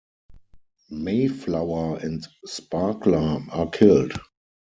Mayflower and Sparkler are killed.